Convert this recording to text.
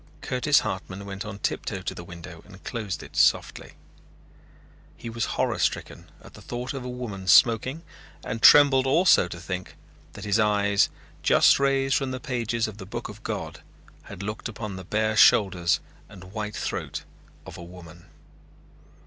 Curtis Hartman went on tiptoe to the window and closed it softly. He was horror stricken at the thought of a woman smoking and trembled also to think that his eyes, just raised from the pages of the book of God, had looked upon the bare shoulders and white throat of a woman.